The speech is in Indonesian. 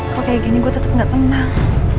kok kayak gini gue tetap gak tenang